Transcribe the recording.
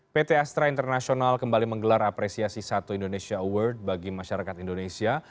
pt astra international kembali menggelar apresiasi satu indonesia award bagi masyarakat indonesia